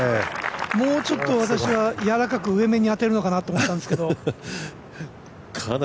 もうちょっと私はやわらかく上目に当てるかなと思ったんですけど。